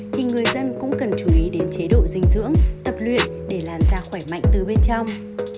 thì người dân cũng cần chú ý đến chế độ dinh dưỡng tập luyện để làn da khỏe mạnh từ bên trong